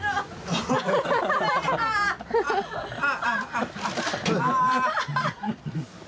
アハハハ！